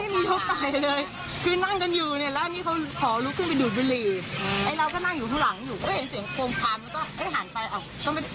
พี่ผมไม่ได้รู้จักคุณเลยนะอะไรประมาณนี้ไม่ได้รู้จักคุณเลยแล้วมาปล่อยผมทำไมอะไรประมาณนี้